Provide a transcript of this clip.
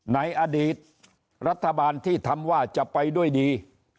ในอดีตรัฐบาลที่ทำว่าจะไปด้วยดี